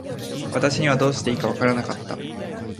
私にはどうしていいか分らなかった。